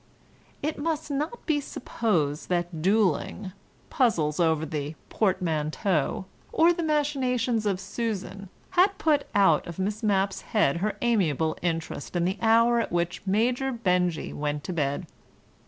It must not be supposed that duelling, puzzles over the portmanteau, or the machinations of Susan had put out of Miss Mapp's head her amiable interest in the hour at which Major Benjy went to bed.